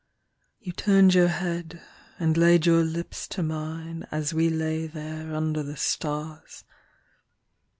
You turned your head, And laid your lips to mine, as we lay there Under the stars.